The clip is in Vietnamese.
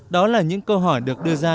đó là những câu hỏi được đưa ra